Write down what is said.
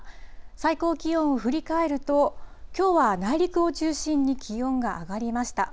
最高気温を振り返ると、きょうは内陸を中心に気温が上がりました。